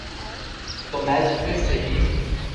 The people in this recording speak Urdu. تو میچ پھر سہی۔